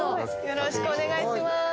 よろしくお願いします。